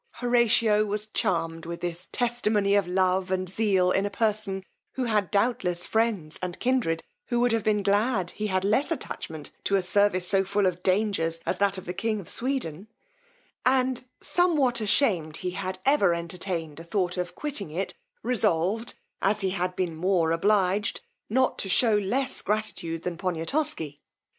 Horatio was charmed with this testimony of love and zeal in a person, who had doubtless friends and kindred who would have been glad he had less attachment to a service so full of dangers as that of the king of Sweden, and somewhat ashamed he had ever entertained a thought of quitting it, resolved, as he had been more obliged, not to shew less gratitude than Poniatosky.